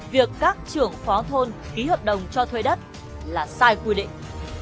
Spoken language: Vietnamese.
việc các trưởng phó thôn ký hợp đồng cho thuê đất là sai quy định